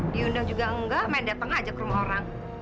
diundang juga enggak main dateng aja ke rumah orang